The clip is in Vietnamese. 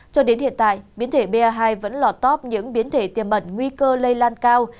cho đến hiện tại biến thể ba hai vẫn lọt top những biến thể tiềm bẩn nguy cơ lây lan cao